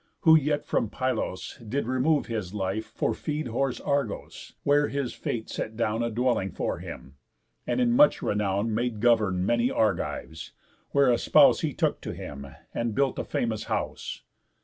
Who yet from Pylos did remove his life For feed horse Argos, where his fate set down A dwelling for him, and in much renown Made govern many Argives, where a spouse He took to him, and built a famous house.